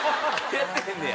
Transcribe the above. やってへんねや。